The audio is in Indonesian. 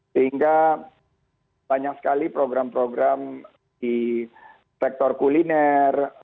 sehingga banyak sekali program program di sektor kuliner